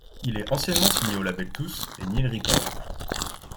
Il est anciennement signé au label Tooth and Nail Records.